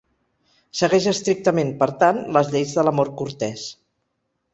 Segueix estrictament, per tant, les lleis de l'amor cortès.